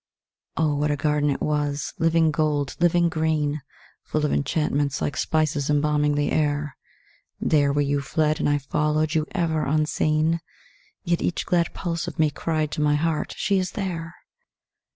OH, what a garden it was, living gold, living green, Full of enchantments like spices embalming the air, There, where you fled and I followed you ever unseen, Yet each glad pulse of me cried to my heart, "She is there!"